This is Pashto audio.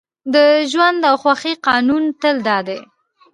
د ژوند او خوښۍ قانون تل دا دی